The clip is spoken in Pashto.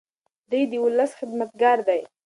دی د ولس خدمتګار دی.